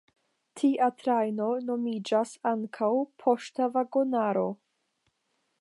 Tia trajno nomiĝas ankaŭ "poŝta vagonaro".